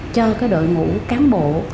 cho cái đội ngũ cán bộ